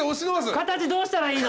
形どうしたらいいの？